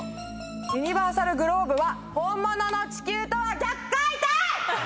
ユニバーサル・グローブは本物の地球とは逆回転！